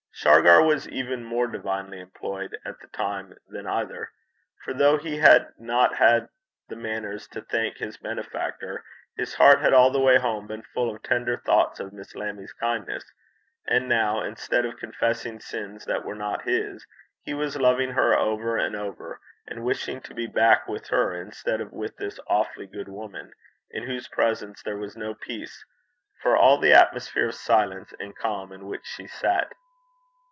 Shargar was even more divinely employed at the time than either; for though he had not had the manners to thank his benefactor, his heart had all the way home been full of tender thoughts of Miss Lammie's kindness; and now, instead of confessing sins that were not his, he was loving her over and over, and wishing to be back with her instead of with this awfully good woman, in whose presence there was no peace, for all the atmosphere of silence and calm in which she sat.